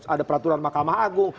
ada peraturan mahkamah agung